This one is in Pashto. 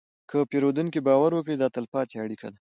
که پیرودونکی باور وکړي، دا تلپاتې اړیکه ده.